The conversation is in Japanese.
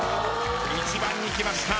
１番にきました。